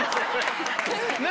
何？